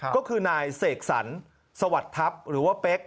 ก็คือนายเสกสรรสวัสดิ์ทัพหรือว่าเป๊ก